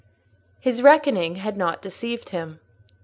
His reckoning had not deceived him.